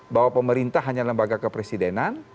bahwa pemerintah hanya lembaga kepresidenan